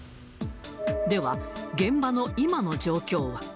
では、現場の今の状況は。